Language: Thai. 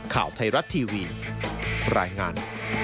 ข่าวไทยรัฐทีวีรายงาน